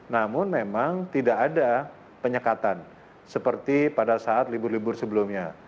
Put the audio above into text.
namun memang tidak ada penyekatan seperti pada saat libur libur sebelumnya